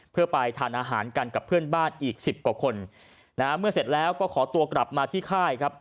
เพื่อไปทานอาหารกันกับเพื่อนบ้านอีกสิบกว่าคนนะฮะเมื่อเสร็จแล้วก็ขอตัวกลับมาที่ค่ายครับ